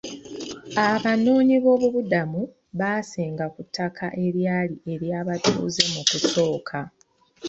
Abanoonyiboobubudamu baasenga ku ttaka eryali ery'abatuuze mu kusooka.